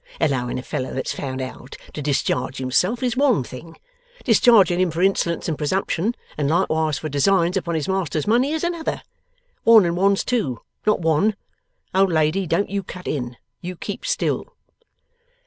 Allowing a fellow that's found out, to discharge himself, is one thing; discharging him for insolence and presumption, and likewise for designs upon his master's money, is another. One and one's two; not one. (Old lady, don't you cut in. You keep still.)